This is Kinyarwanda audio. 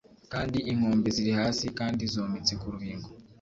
kandi inkombe ziri hasi kandi zometse ku rubingo